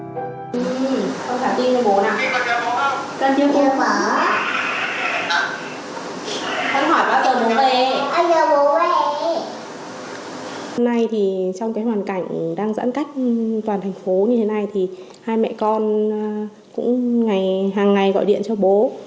năm nay thì trong cái hoàn cảnh đang giãn cách toàn thành phố như thế này thì hai mẹ con cũng ngày hàng ngày gọi điện cho bố hỏi han bố